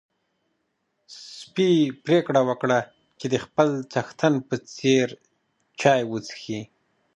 سپی پرېکړه وکړه چې د خپل څښتن په څېر چای وڅښي.